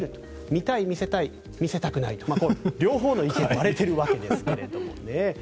見たい、見せたい見せたくないと両方の意見に割れているわけですが。